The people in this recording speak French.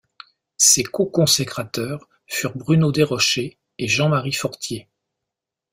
Ses coconsécrateurs furent Bruno Desrochers et Jean-Marie Fortier.